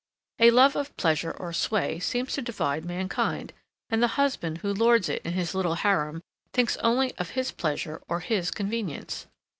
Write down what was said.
A love of pleasure or sway seems to divide mankind, and the husband who lords it in his little harem, thinks only of his pleasure or his convenience.